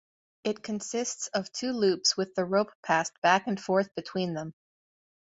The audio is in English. It consists of two loops with the rope passed back and forth between them.